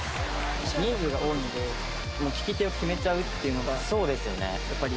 人数が多いんで、利き手を決めちゃうっていうのが、やっぱり。